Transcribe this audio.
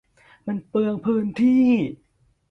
มันเปลืองพื้นที่